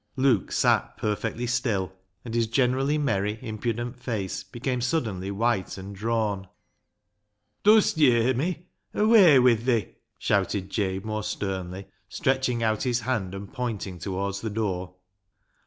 Luke sat perfectly still, and his generally merry, impudent face became suddenly white and drawn. " Dust yer me ? Away wi' thi," shouted Jabe more sternly, stretching out his hand and pointing towards the door.